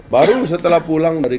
baru setelah pulang dari